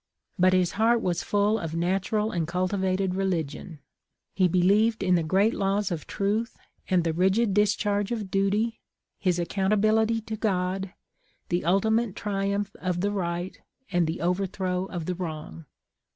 But his heart was full of natural and cultivated religion. He believed in the great laws of truth, and the rigid discharge of duty, his accountability to God, the ultimate triumph of the right and the overthrow of wrong.